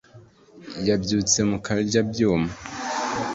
yabyutse mu karyabyuma,